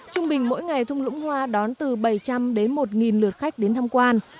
trung bình mỗi ngày thung lũng hoa đón từ bảy trăm linh đến một lượt khách đến tham quan